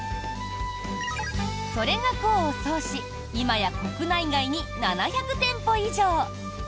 それが功を奏し今や国内外に７００店舗以上。